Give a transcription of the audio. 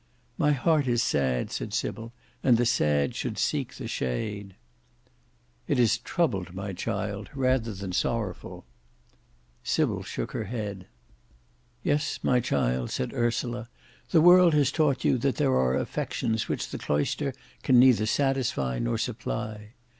"My heart is sad," said Sybil, "and the sad should seek the shade." "It is troubled, my child, rather than sorrowful." Sybil shook her head. "Yes, my child," said Ursula, "the world has taught you that there are affections which the cloister can neither satisfy nor supply.